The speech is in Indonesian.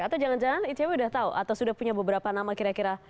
atau jangan jangan icw sudah tahu atau sudah punya beberapa nama kira kira